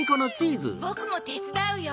ボクもてつだうよ。